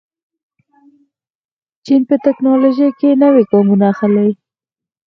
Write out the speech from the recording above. چین په تکنالوژۍ کې نوي ګامونه اخلي.